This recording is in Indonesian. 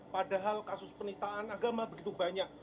padahal kasus penistaan agama begitu banyak